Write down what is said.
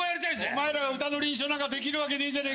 お前ら歌の輪唱なんかできるわけねえじゃねぇかよ。